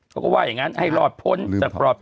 เขาก็ว่าอย่างนั้นให้รอดพ้นจากปลอดไป